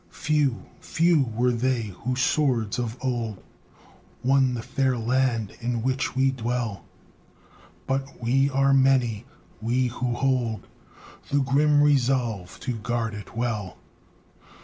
Few, few were they whose swords of old Won the fair land in which we dwell, But we are many, we who hold The grim resolve to guard it well.